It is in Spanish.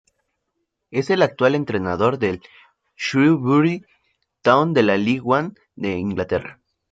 Es el actual entrenador del Shrewsbury Town de la League One de Inglaterra.